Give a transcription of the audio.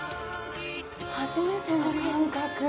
初めての感覚。